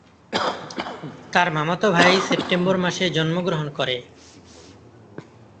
তার মামাতো ভাই সেপ্টেম্বর মাসে জন্মগ্রহণ করে।